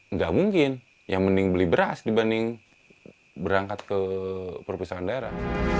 nggak mungkin yang mending beli beras dibanding berangkat ke perpisahan daerah